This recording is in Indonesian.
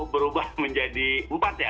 berubah menjadi empat ya